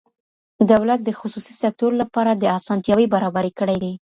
دولت د خصوصي سکتور لپاره اسانتیاوې برابرې کړې دي.